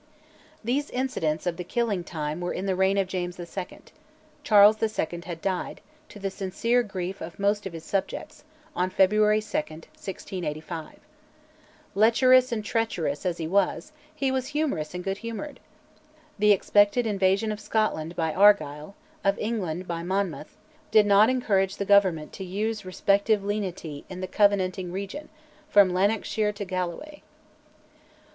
These incidents of "the killing time" were in the reign of James II.; Charles II. had died, to the sincere grief of most of his subjects, on February 2, 1685. "Lecherous and treacherous" as he was, he was humorous and good humoured. The expected invasion of Scotland by Argyll, of England by Monmouth, did not encourage the Government to use respective lenity in the Covenanting region, from Lanarkshire to Galloway.